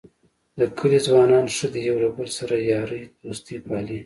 د کلي ځوانان ښه دي یو له بل سره یارۍ دوستۍ پالي.